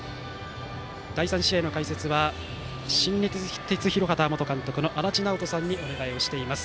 第３試合の解説は新日鉄広畑元監督の足達尚人さんにお願いしています。